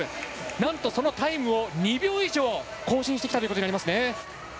なんとそのタイムを２秒以上更新してきたことになりますね。